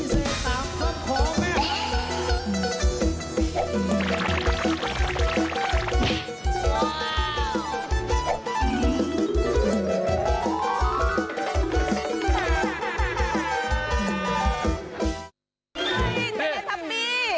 เฮ้ยนายได้ทำมี